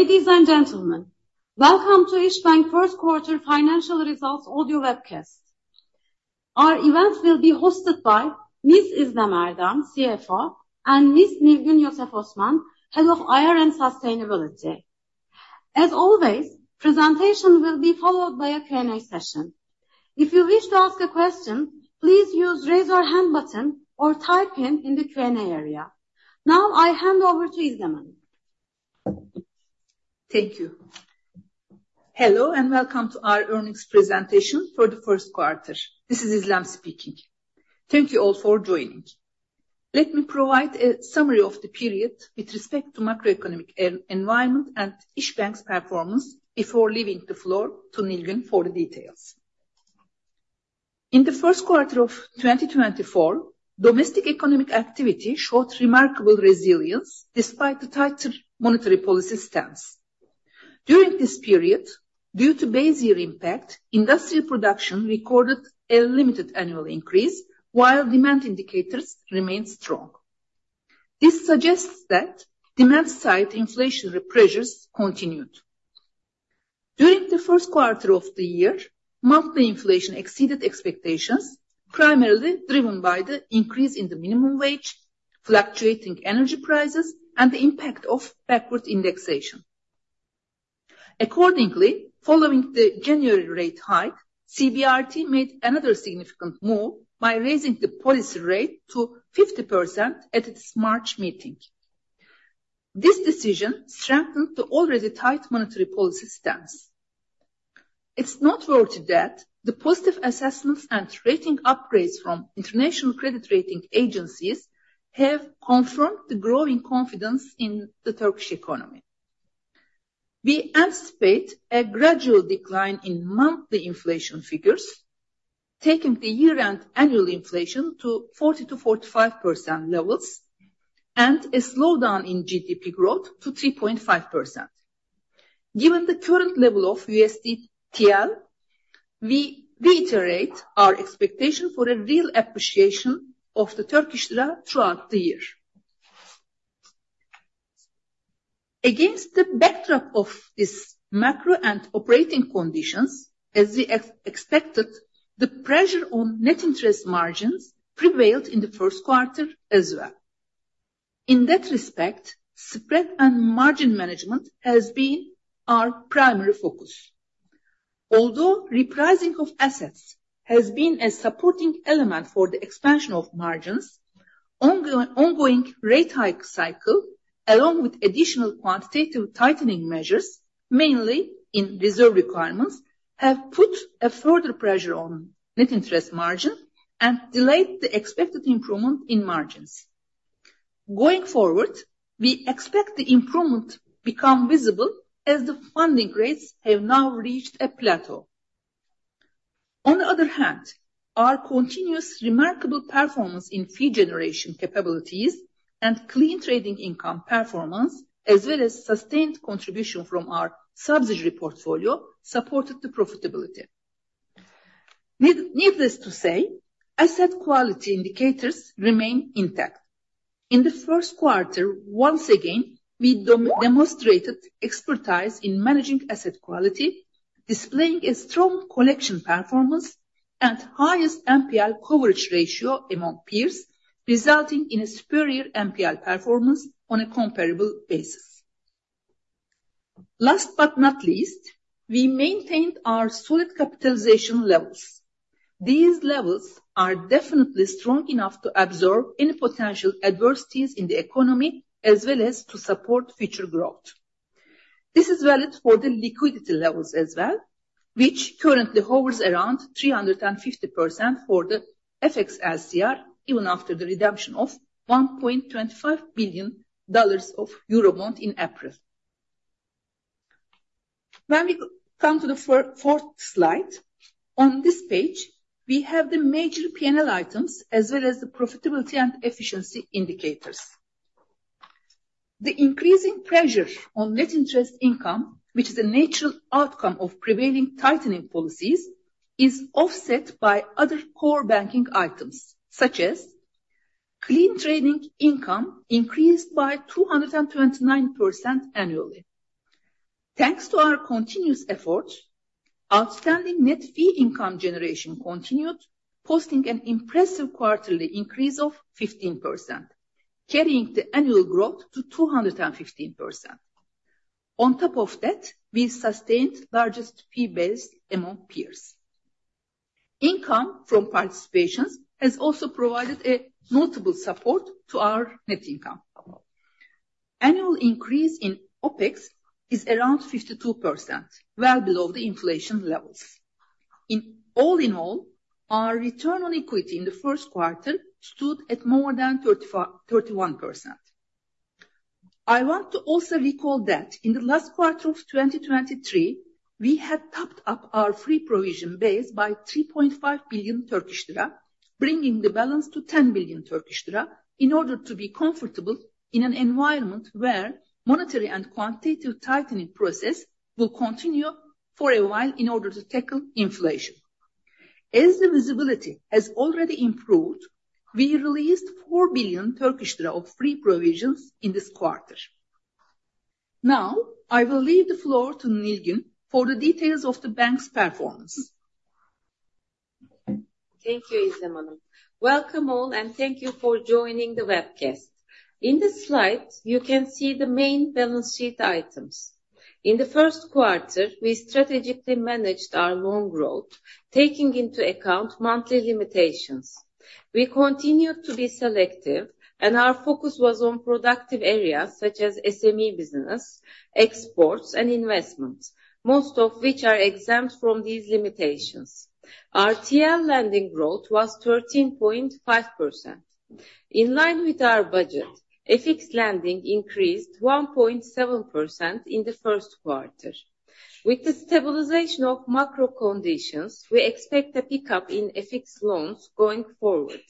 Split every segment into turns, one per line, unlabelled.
Ladies and gentlemen, welcome to İşbank First Quarter Financial Results audio webcast. Our event will be hosted by Ms. İzlem Erdem, CFO, and Ms. Nilgün Yosef Osman, Head of IR and Sustainability. As always, presentation will be followed by a Q&A session. If you wish to ask a question, please use the raise your hand button or type in the Q&A area. Now I hand over to İzlem.
Thank you. Hello and welcome to our earnings presentation for the first quarter. This is İzlem speaking. Thank you all for joining. Let me provide a summary of the period with respect to macroeconomic environment and İşbank's performance before leaving the floor to Nilgün for the details. In the first quarter of 2024, domestic economic activity showed remarkable resilience despite the tighter monetary policy stance. During this period, due to base year impact, industrial production recorded a limited annual increase while demand indicators remained strong. This suggests that demand-side inflationary pressures continued. During the first quarter of the year, monthly inflation exceeded expectations, primarily driven by the increase in the minimum wage, fluctuating energy prices, and the impact of backward indexation. Accordingly, following the January rate hike, CBRT made another significant move by raising the policy rate to 50% at its March meeting. This decision strengthened the already tight monetary policy stance. It's noteworthy that the positive assessments and rating upgrades from international credit rating agencies have confirmed the growing confidence in the Turkish economy. We anticipate a gradual decline in monthly inflation figures, taking the year-end annual inflation to 40%-45% levels, and a slowdown in GDP growth to 3.5%. Given the current level of USD TL, we reiterate our expectation for a real appreciation of the Turkish lira throughout the year. Against the backdrop of these macro and operating conditions, as we expected, the pressure on net interest margins prevailed in the first quarter as well. In that respect, spread and margin management has been our primary focus. Although repricing of assets has been a supporting element for the expansion of margins, the ongoing rate hike cycle, along with additional quantitative tightening measures, mainly in reserve requirements, have put a further pressure on net interest margins and delayed the expected improvement in margins. Going forward, we expect the improvement to become visible as the funding rates have now reached a plateau. On the other hand, our continuous remarkable performance in fee generation capabilities and clean trading income performance, as well as sustained contribution from our subsidiary portfolio, supported the profitability. Needless to say, asset quality indicators remain intact. In the first quarter, once again, we demonstrated expertise in managing asset quality, displaying a strong collection performance and highest NPL coverage ratio among peers, resulting in a superior NPL performance on a comparable basis. Last but not least, we maintained our solid capitalization levels. These levels are definitely strong enough to absorb any potential adversities in the economy, as well as to support future growth. This is valid for the liquidity levels as well, which currently hovers around 350% for the FX LCR, even after the redemption of $1.25 billion of Eurobond in April. When we come to the fourth slide, on this page, we have the major P&L items, as well as the profitability and efficiency indicators. The increasing pressure on net interest income, which is a natural outcome of prevailing tightening policies, is offset by other core banking items, such as clean trading income increased by 229% annually. Thanks to our continuous efforts, outstanding net fee income generation continued, posting an impressive quarterly increase of 15%, carrying the annual growth to 215%. On top of that, we sustained the largest fee base among peers. Income from participations has also provided a notable support to our net income. Annual increase in OpEx is around 52%, well below the inflation levels. All in all, our return on equity in the first quarter stood at more than 31%. I want to also recall that in the last quarter of 2023, we had topped up our free provision base by 3.5 billion Turkish lira, bringing the balance to 10 billion Turkish lira in order to be comfortable in an environment where monetary and quantitative tightening processes will continue for a while in order to tackle inflation. As the visibility has already improved, we released 4 billion Turkish lira of free provisions in this quarter. Now I will leave the floor to Nilgün for the details of the bank's performance.
Thank you, İzlem Hanım. Welcome all, and thank you for joining the webcast. In the slides, you can see the main balance sheet items. In the first quarter, we strategically managed our loan growth, taking into account monthly limitations. We continued to be selective, and our focus was on productive areas such as SME business, exports, and investments, most of which are exempt from these limitations. Our TL lending growth was 13.5%. In line with our budget, FX lending increased 1.7% in the first quarter. With the stabilization of macro conditions, we expect a pickup in FX loans going forward.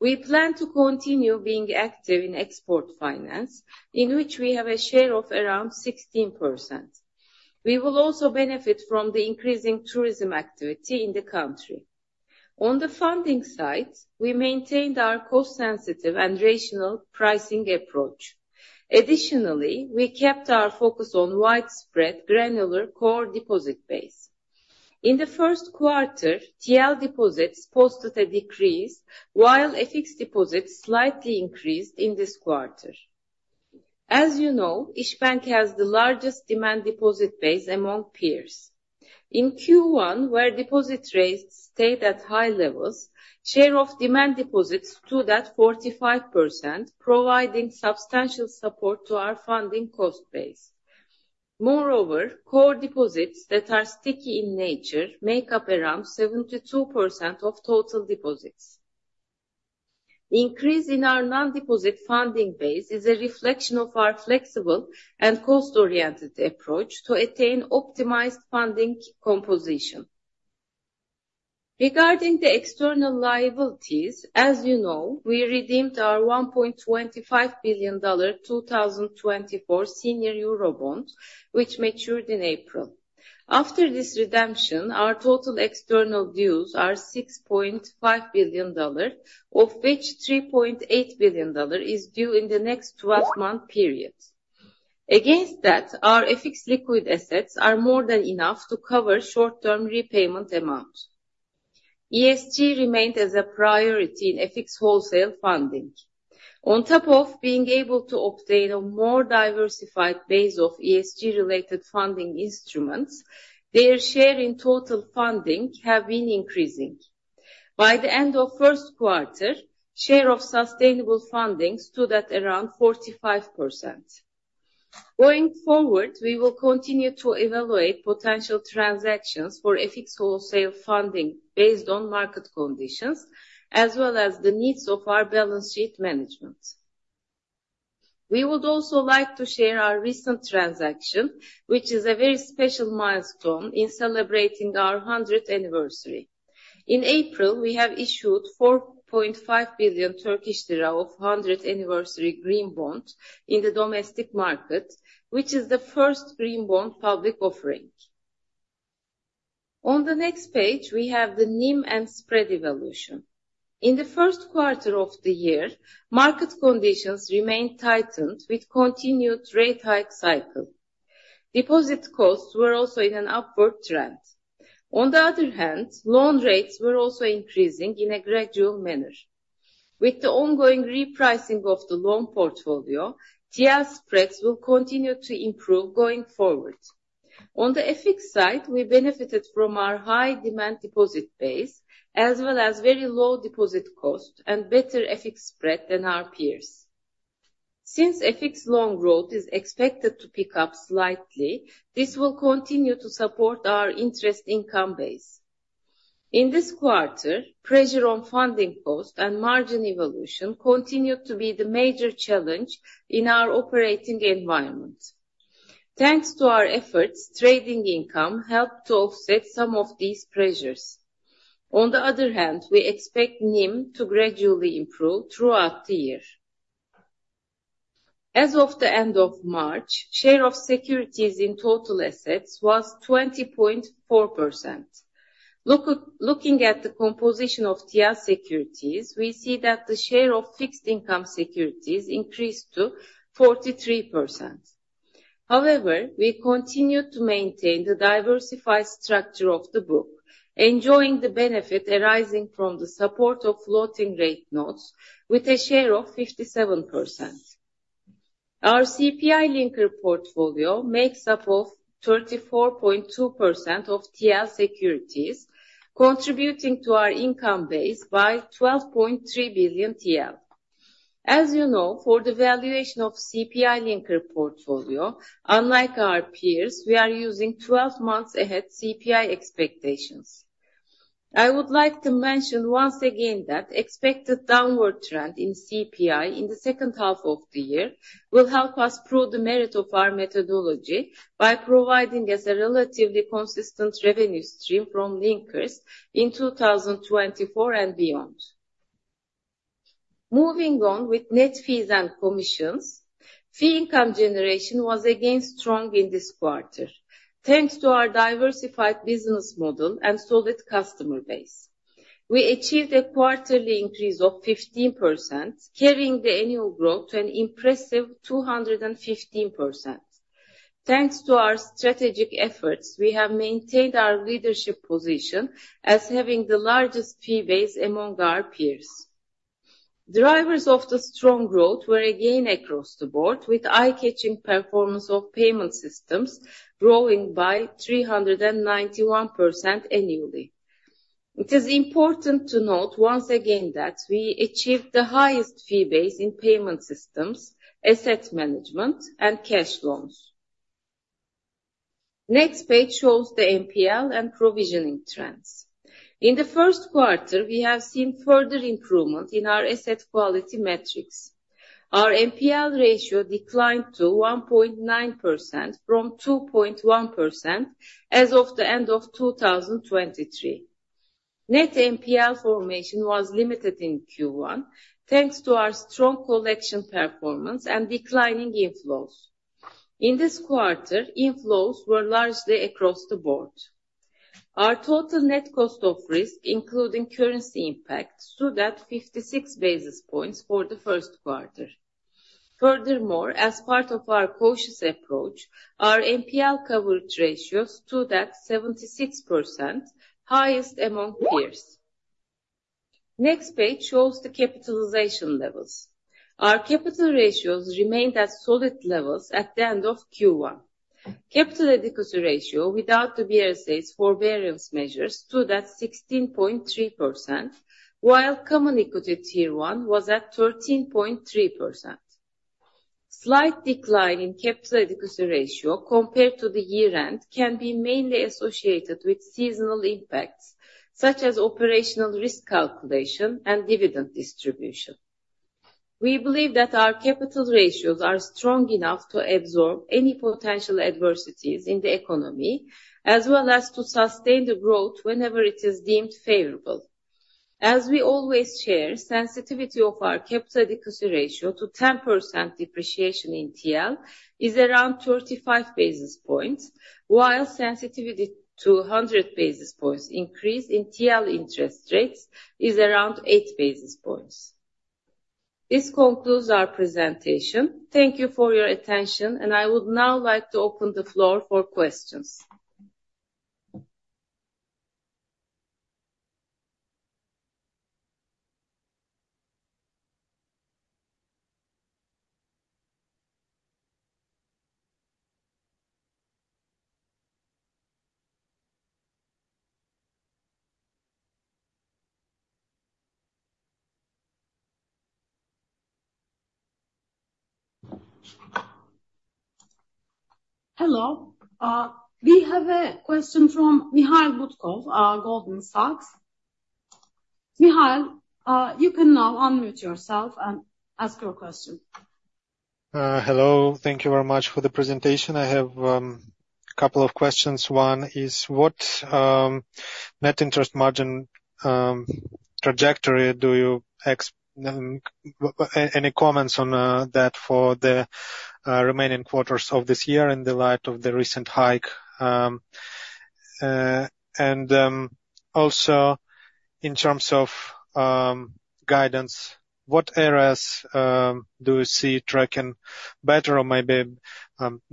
We plan to continue being active in export finance, in which we have a share of around 16%. We will also benefit from the increasing tourism activity in the country. On the funding side, we maintained our cost-sensitive and rational pricing approach. Additionally, we kept our focus on widespread granular core deposit base. In the first quarter, TL deposits posted a decrease, while FX deposits slightly increased in this quarter. As you know, İşbank has the largest demand deposit base among peers. In Q1, where deposit rates stayed at high levels, the share of demand deposits stood at 45%, providing substantial support to our funding cost base. Moreover, core deposits that are sticky in nature make up around 72% of total deposits. The increase in our non-deposit funding base is a reflection of our flexible and cost-oriented approach to attain optimized funding composition. Regarding the external liabilities, as you know, we redeemed our $1.25 billion 2024 senior Eurobond, which matured in April. After this redemption, our total external dues are $6.5 billion, of which $3.8 billion is due in the next 12-month period. Against that, our FX liquid assets are more than enough to cover short-term repayment amounts. ESG remained a priority in FX wholesale funding. On top of being able to obtain a more diversified base of ESG-related funding instruments, their share in total funding has been increasing. By the end of the first quarter, the share of sustainable funding stood at around 45%. Going forward, we will continue to evaluate potential transactions for FX wholesale funding based on market conditions, as well as the needs of our balance sheet management. We would also like to share our recent transaction, which is a very special milestone in celebrating our 100th anniversary. In April, we have issued 4.5 billion Turkish lira of the 100th Anniversary Green Bond in the domestic market, which is the first green bond public offering. On the next page, we have the NIM and spread evolution. In the first quarter of the year, market conditions remained tightened with a continued rate hike cycle. Deposit costs were also in an upward trend. On the other hand, loan rates were also increasing in a gradual manner. With the ongoing repricing of the loan portfolio, TL spreads will continue to improve going forward. On the FX side, we benefited from our high demand deposit base, as well as very low deposit costs and better FX spread than our peers. Since FX loan growth is expected to pick up slightly, this will continue to support our interest income base. In this quarter, pressure on funding costs and margin evolution continued to be the major challenge in our operating environment. Thanks to our efforts, trading income helped to offset some of these pressures. On the other hand, we expect NIM to gradually improve throughout the year. As of the end of March, the share of securities in total assets was 20.4%. Looking at the composition of TL securities, we see that the share of fixed income securities increased to 43%. However, we continued to maintain the diversified structure of the book, enjoying the benefit arising from the support of floating rate notes with a share of 57%. Our CPI linker portfolio makes up 34.2% of TL securities, contributing to our income base by 12.3 billion TL. As you know, for the valuation of the CPI linker portfolio, unlike our peers, we are using 12 months ahead CPI expectations. I would like to mention once again that the expected downward trend in CPI in the second half of the year will help us prove the merit of our methodology by providing us a relatively consistent revenue stream from linkers in 2024 and beyond. Moving on with net fees and commissions, fee income generation was again strong in this quarter, thanks to our diversified business model and solid customer base. We achieved a quarterly increase of 15%, carrying the annual growth to an impressive 215%. Thanks to our strategic efforts, we have maintained our leadership position as having the largest fee base among our peers. Drivers of the strong growth were again across the board, with the eye-catching performance of payment systems growing by 391% annually. It is important to note once again that we achieved the highest fee base in payment systems, asset management, and cash loans. The next page shows the NPL and provisioning trends. In the first quarter, we have seen further improvement in our asset quality metrics. Our NPL ratio declined to 1.9% from 2.1% as of the end of 2023. Net NPL formation was limited in Q1, thanks to our strong collection performance and declining inflows. In this quarter, inflows were largely across the board. Our total net cost of risk, including currency impact, stood at 56 basis points for the first quarter. Furthermore, as part of our cautious approach, our NPL coverage ratios stood at 76%, highest among peers. The next page shows the capitalization levels. Our capital ratios remained at solid levels at the end of Q1. The capital adequacy ratio, without the BRSA's forbearance measures, stood at 16.3%, while Common Equity Tier 1 was at 13.3%. A slight decline in capital adequacy ratio compared to the year-end can be mainly associated with seasonal impacts, such as operational risk calculation and dividend distribution. We believe that our capital ratios are strong enough to absorb any potential adversities in the economy, as well as to sustain the growth whenever it is deemed favorable. As we always share, the sensitivity of our capital adequacy ratio to 10% depreciation in TL is around 35 basis points, while the sensitivity to 100 basis points increase in TL interest rates is around 8 basis points. This concludes our presentation. Thank you for your attention, and I would now like to open the floor for questions.
Hello. We have a question from Mikhail Butkov, Goldman Sachs. Mikhail, you can now unmute yourself and ask your question.
Hello. Thank you very much for the presentation. I have a couple of questions. One is, what net interest margin trajectory do you expect? Any comments on that for the remaining quarters of this year in the light of the recent hike? And also, in terms of guidance, what areas do you see tracking better or maybe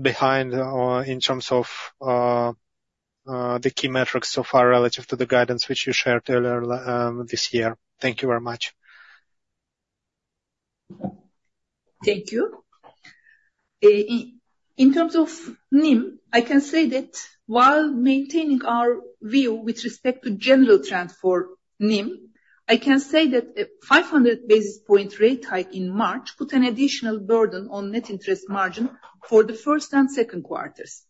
behind in terms of the key metrics so far relative to the guidance which you shared earlier this year? Thank you very much.
Thank you. In terms of NIM, I can say that while maintaining our view with respect to the general trend for NIM, I can say that a 500 basis point rate hike in March put an additional burden on net interest margin for the first and second quarters.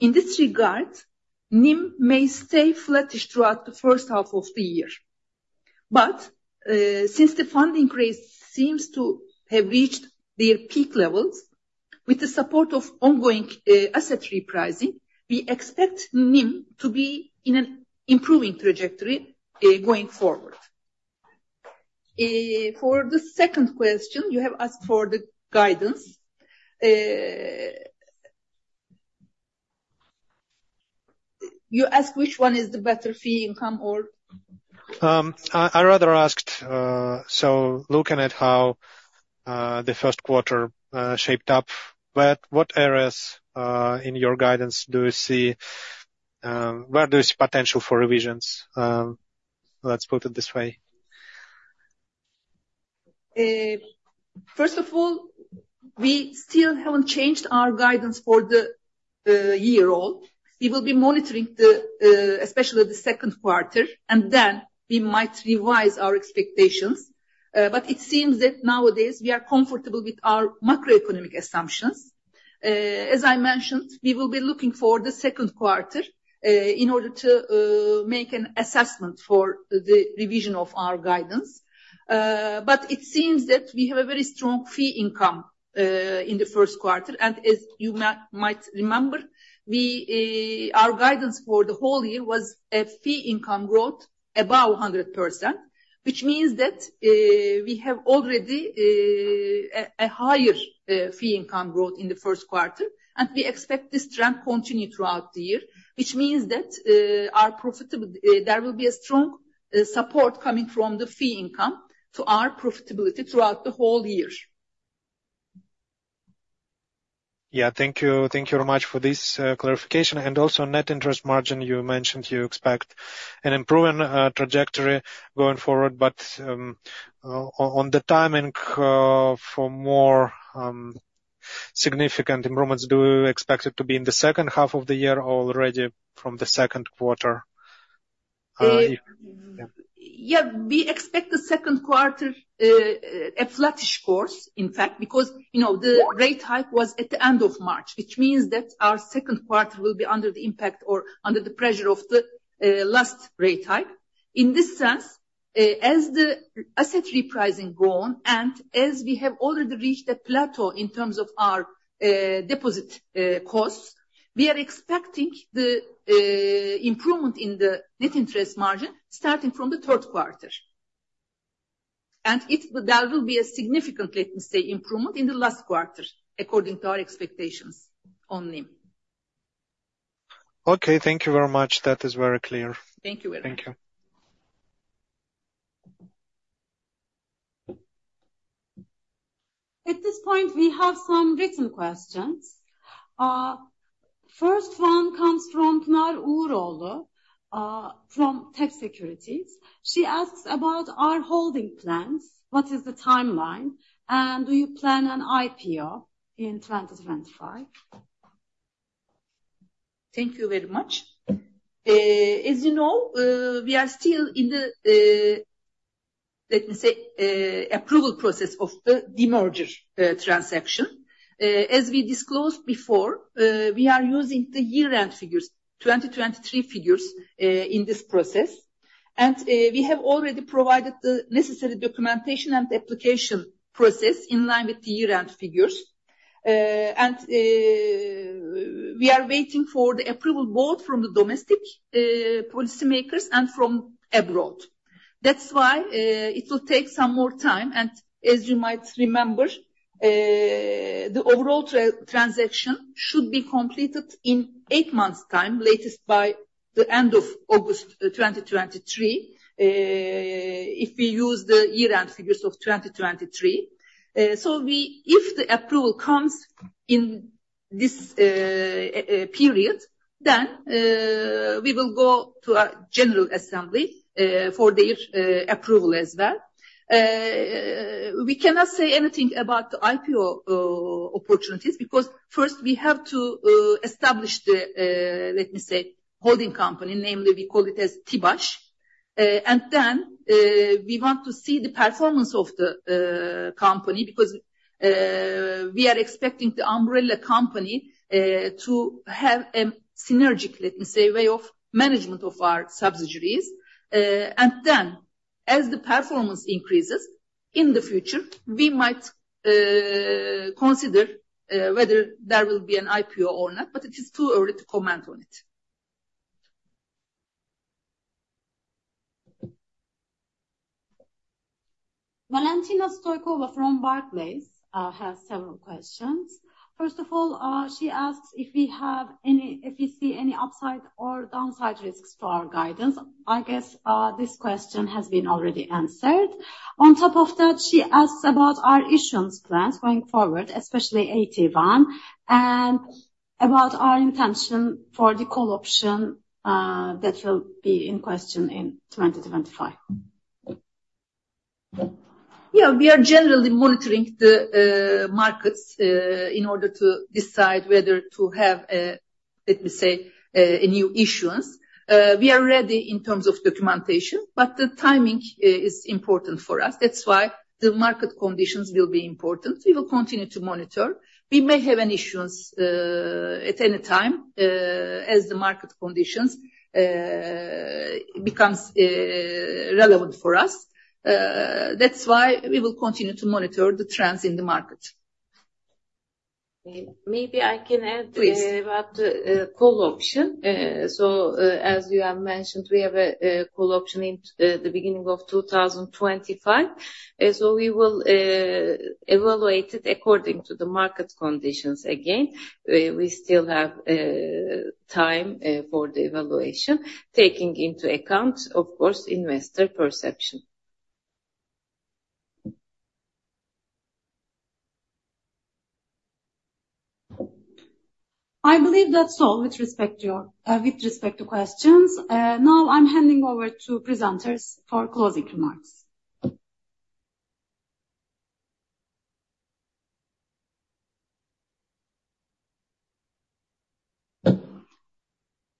In this regard, NIM may stay flattish throughout the first half of the year. But since the funding rates seem to have reached their peak levels, with the support of ongoing asset repricing, we expect NIM to be in an improving trajectory going forward. For the second question, you have asked for the guidance. You asked which one is the better fee income or?
I rather asked, so looking at how the first quarter shaped up, what areas in your guidance do you see? Where do you see potential for revisions? Let's put it this way.
First of all, we still haven't changed our guidance for the year ahead. We will be monitoring especially the second quarter, and then we might revise our expectations. But it seems that nowadays we are comfortable with our macroeconomic assumptions. As I mentioned, we will be looking for the second quarter in order to make an assessment for the revision of our guidance. But it seems that we have a very strong fee income in the first quarter. And as you might remember, our guidance for the whole year was a fee income growth above 100%, which means that we have already a higher fee income growth in the first quarter. And we expect this trend to continue throughout the year, which means that there will be a strong support coming from the fee income to our profitability throughout the whole year.
Yeah. Thank you very much for this clarification. And also, net interest margin, you mentioned you expect an improving trajectory going forward. But on the timing for more significant improvements, do you expect it to be in the second half of the year or already from the second quarter?
Yeah. We expect the second quarter a flattish course, in fact, because the rate hike was at the end of March, which means that our second quarter will be under the impact or under the pressure of the last rate hike. In this sense, as the asset repricing gone and as we have already reached a plateau in terms of our deposit costs, we are expecting the improvement in the net interest margin starting from the third quarter. There will be a significant, let me say, improvement in the last quarter according to our expectations on NIM.
Okay. Thank you very much. That is very clear.
Thank you very much.
Thank you.
At this point, we have some written questions. The first one comes from Pınar Uğuroğlu from TEB Securities. She asks about our holding plans. What is the timeline? And do you plan an IPO in 2025?
Thank you very much. As you know, we are still in the, let me say, approval process of the demerger transaction. As we disclosed before, we are using the year-end figures, 2023 figures, in this process. We have already provided the necessary documentation and application process in line with the year-end figures. We are waiting for the approval both from the domestic policymakers and from abroad. That's why it will take some more time. As you might remember, the overall transaction should be completed in eight months' time, latest by the end of August 2023, if we use the year-end figures of 2023. So if the approval comes in this period, then we will go to a general assembly for their approval as well. We cannot say anything about the IPO opportunities because, first, we have to establish the, let me say, holding company. Namely, we call it as TİBAŞ. And then we want to see the performance of the company because we are expecting the umbrella company to have a synergic, let me say, way of management of our subsidiaries. And then, as the performance increases in the future, we might consider whether there will be an IPO or not. But it is too early to comment on it.
Valentina Stoykova from Barclays has several questions. First of all, she asks if we see any upside or downside risks to our guidance. I guess this question has been already answered. On top of that, she asks about our issuance plans going forward, especially AT1, and about our intention for the call option that will be in question in 2025.
Yeah. We are generally monitoring the markets in order to decide whether to have a, let me say, a new issuance. We are ready in terms of documentation, but the timing is important for us. That's why the market conditions will be important. We will continue to monitor. We may have an issuance at any time as the market conditions become relevant for us. That's why we will continue to monitor the trends in the market.
Maybe I can add about the call option. So, as you have mentioned, we have a call option in the beginning of 2025. So we will evaluate it according to the market conditions again. We still have time for the evaluation, taking into account, of course, investor perception.
I believe that's all with respect to your questions. Now, I'm handing over to presenters for closing remarks.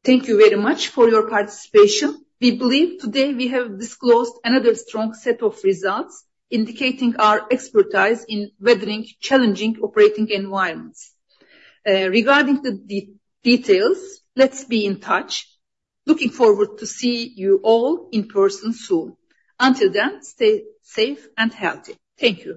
Thank you very much for your participation. We believe today we have disclosed another strong set of results indicating our expertise in weathering challenging operating environments. Regarding the details, let's be in touch. Looking forward to seeing you all in person soon. Until then, stay safe and healthy. Thank you.